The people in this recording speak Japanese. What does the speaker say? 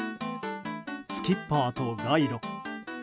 スキッパーとガイロ。